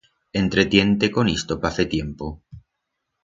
Entretién-te con isto pa fer tiempo.